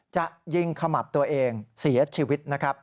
จะยิงขมับตัวเองเสียชีวิต